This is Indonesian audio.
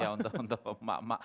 iya untuk emak emak